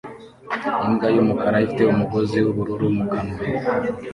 Imbwa yumukara ifite umugozi wubururu mu kanwa